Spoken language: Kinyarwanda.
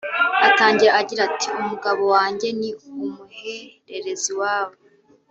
Atangira agira ati “Umugabo wanjye ni umuhererezi iwabo